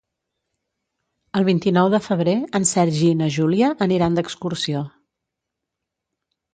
El vint-i-nou de febrer en Sergi i na Júlia aniran d'excursió.